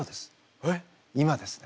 今ですね。